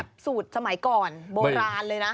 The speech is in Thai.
สูตรสมัยก่อนโบราณเลยนะ